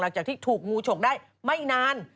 หลังจากที่ถูกงูฉกได้ไม่นาน